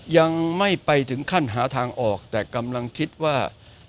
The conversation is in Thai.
ยังไม่ไปถึงขั้นหาทางออกแต่กำลังคิดว่า